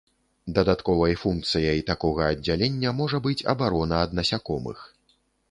Дадатковай функцыяй такога аддзялення можа быць абарона ад насякомых.